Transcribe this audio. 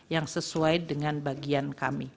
yang sesuai dengan bagian kami